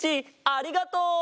ありがとう！